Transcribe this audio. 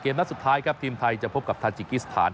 นัดสุดท้ายครับทีมไทยจะพบกับทาจิกิสถาน